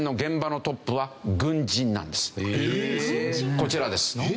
こちらです。